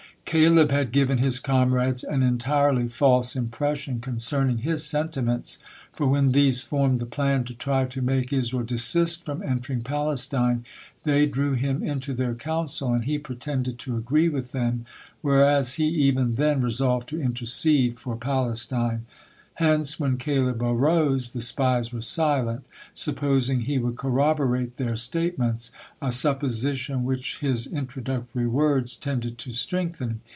Caleb had given his comrades an entirely false impression concerning his sentiments, for when these formed the plan to try to make Israel desist from entering Palestine, they drew him into their council, and he pretended to agree with them, whereas he even then resolved to intercede for Palestine. Hence, when Caleb arose, the spies were silent, supposing he would corroborate their statements, a supposition which his introductory words tended to strengthen.